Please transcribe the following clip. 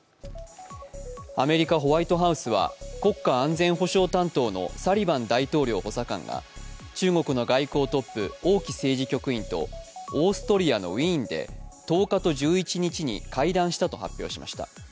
アメリカ・ホワイトハウスは国家安全保障担当のサリバン大統領補佐官が中国の外交トップ、王毅政治局員とオーストリアのウイーンで１０日と１１日に対談したと発表しました。